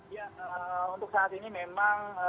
ya untuk saat ini memang